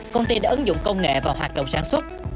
công ty đã ứng dụng công nghệ vào hoạt động sản xuất